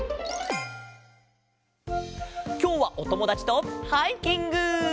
きょうはおともだちとハイキング！